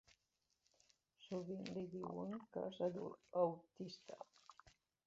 Sovint li diuen que és autista.